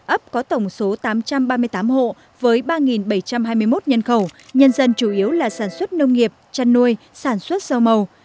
ấp có tổng số tám trăm ba mươi tám hộ với ba bảy trăm hai mươi một nhân khẩu nhân dân chủ yếu là sản xuất nông nghiệp chăn nuôi sản xuất rau màu